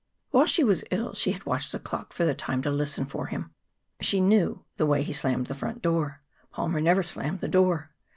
While she was ill she had watched the clock for the time to listen for him. She knew the way he slammed the front door. Palmer never slammed the door.